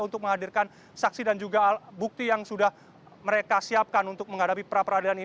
untuk menghadirkan saksi dan juga bukti yang sudah mereka siapkan untuk menghadapi pra peradilan ini